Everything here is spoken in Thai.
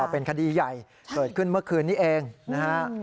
เป็นคดีใหญ่เกิดขึ้นเมื่อคืนนี้เองนะฮะ